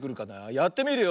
やってみるよ。